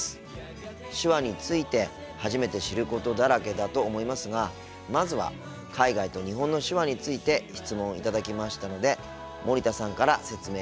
手話について初めて知ることだらけだと思いますがまずは海外と日本の手話について質問を頂きましたので森田さんから説明していただきたいと思います。